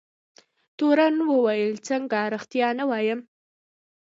تورن وویل څنګه رښتیا نه وایم.